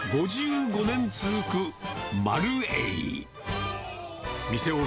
５５年続く丸栄。